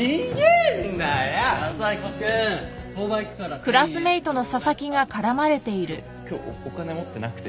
今日今日お金持ってなくて。